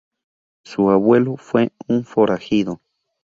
Su abuelo fue un forajido.